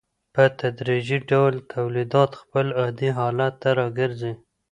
په تدریجي ډول تولیدات خپل عادي حالت ته راګرځي